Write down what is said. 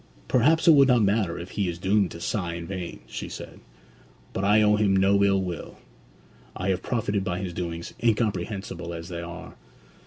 'Perhaps it will not matter if he is doomed to sigh in vain,' she said. 'But I owe him no ill will. I have profited by his doings, incomprehensible as they are.'